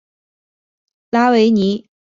拉维尼。